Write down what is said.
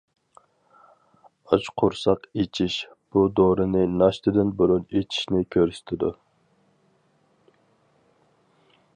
ئاچ قۇرساق ئىچىش، بۇ دورىنى ناشتىدىن بۇرۇن ئىچىشنى كۆرسىتىدۇ.